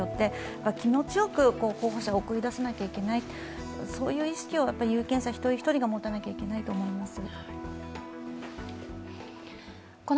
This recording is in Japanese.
気持ちよく、候補者を送り出さなきゃいけないそういう意識を有権者一人一人が持たなければいけないと思います。